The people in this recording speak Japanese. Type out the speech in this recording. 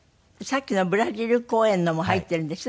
さっきのブラジル公演のも入ってるんです？